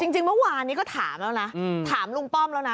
จริงเมื่อวานนี้ก็ถามแล้วนะถามลุงป้อมแล้วนะ